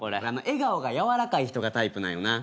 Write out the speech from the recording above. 笑顔がやわらかい人がタイプなんよな。